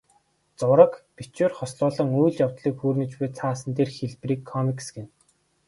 Зураг, бичвэр хослуулан үйл явдлыг хүүрнэж буй цаасан дээрх хэлбэрийг комикс гэнэ.